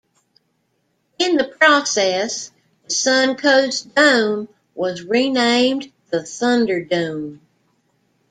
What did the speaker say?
In the process, the Suncoast Dome was renamed the Thunderdome.